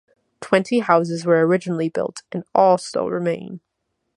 Twenty houses were originally built and all still remain.